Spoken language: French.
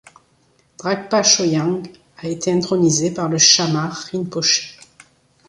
Dragpa Choyang a été intronisé par le Shamar Rinpoché.